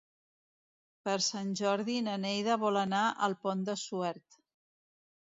Per Sant Jordi na Neida vol anar al Pont de Suert.